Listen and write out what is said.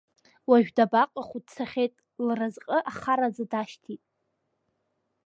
Уажә дабаҟаху, дцахьеит, лразҟы ахараӡа дашьҭит…